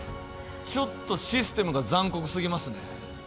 ちょっとシステムが残酷すぎますね。